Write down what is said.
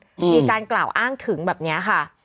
มีการกล่าวอ้างถึงแบบเนี้ยค่ะ